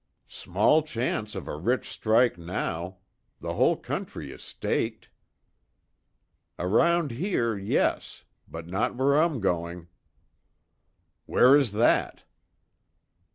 "Small chance of a rich strike, now. The whole country is staked." "Around here, yes. But not where I'm going." "Where is that?"